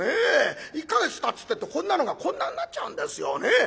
１か月たつってえとこんなのがこんなんなっちゃうんですよね。